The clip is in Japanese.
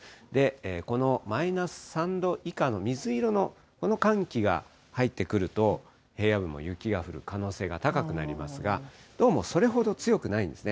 このマイナス３度以下の水色のこの寒気が入ってくると、平野部も雪が降る可能性が高くなりますが、どうもそれほど強くないんですね。